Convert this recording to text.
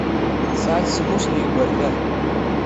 Tesɛa-d semmus n yigerdan.